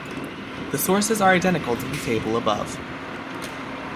The sources are identical to the table above.